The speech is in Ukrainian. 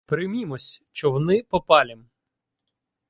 Приймімось, човни попалім.